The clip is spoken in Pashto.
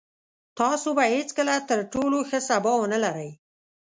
تاسو به هېڅکله تر ټولو ښه سبا ونلرئ.